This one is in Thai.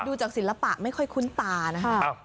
ดูจากศิลปะไม่ค่อยคุ้นตานะครับ